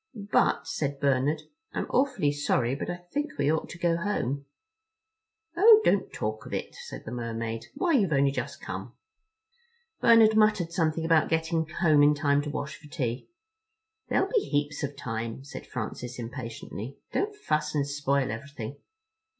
"But," said Bernard, "I'm awfully sorry, but I think we ought to go home." "Oh, don't talk of it," said the Mermaid. "Why, you've only just come." Bernard muttered something about getting home in time to wash for tea. "There'll be heaps of time," said Francis impatiently; "don't fuss and spoil everything."